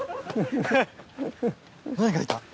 何がいた？